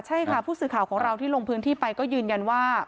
ใช่ค่ะผู้สื่อข่าวของเราที่ลงพื้นที่ไปก็ยืนยันว่า